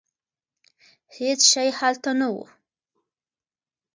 هېڅ شی هلته نه و.